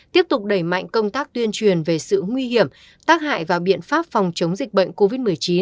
tiếp tục đẩy mạnh công tác tuyên truyền về sự nguy hiểm tác hại và biện pháp phòng chống dịch bệnh covid một mươi chín